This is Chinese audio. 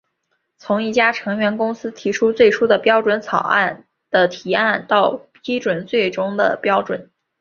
从一家成员公司提出最初的标准草案的提案到批准最终的标准。